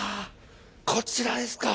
こちらですか。